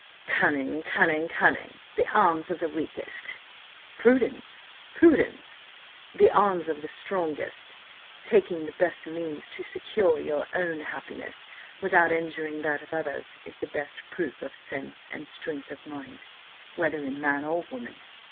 "Cunning! cunning! cunning! the arms of the weakest." "Prudence! prudence! the arms of the strongest. Taking the best means to secure our own happiness without injuring that of others is the best proof of sense and strength of mind, whether in man or woman.